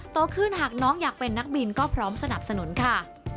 โตขึ้นหากน้องอยากเป็นนักบินก็พร้อมสนับสนุนค่ะ